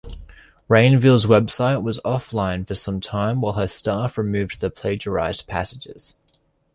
Rainville's website was off-line for some time while her staff removed the plagiarized passages.